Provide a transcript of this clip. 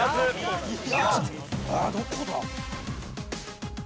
えどこだ？